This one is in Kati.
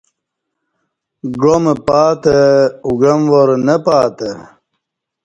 گعام پاتہ اُگعام وار نہ پاتہ